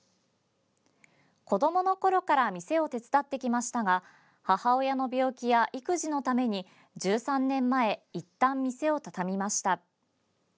子どものころから店を手伝ってきましたが母親の病気や育児のために１３年前いったん店を畳みました。